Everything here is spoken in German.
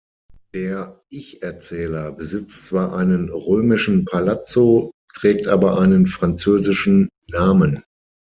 Der Ich-Erzähler besitzt zwar einen römischen Palazzo, trägt aber einen französischen Namen.